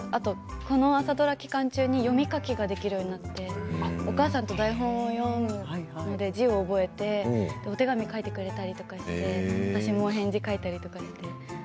この朝ドラ期間中に読み書きができるようになってお母さんと台本を読むので字を覚えてお手紙を書いてくれたりして、私も返事を出したり。